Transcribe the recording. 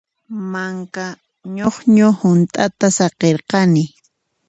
Manka ñuqñu hunt'ata saqirqani.